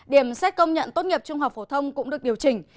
điểm xét công nhận tốt nghiệp trung học phổ thông cũng được điều chỉnh